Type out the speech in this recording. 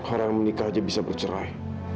orang yang menikah aja bisa bercerai